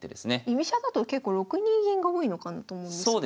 居飛車だと結構６二銀が多いのかなと思うんですが。